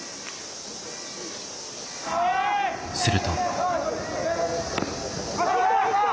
すると。